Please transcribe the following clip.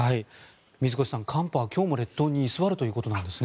水越さん、寒波は今日も列島に居座るということなんですね。